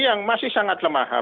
yang masih sangat lemah